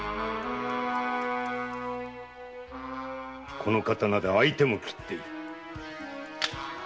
この刀で相手も斬っている。